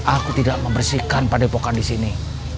aku tidak membersihkan padepokan di sini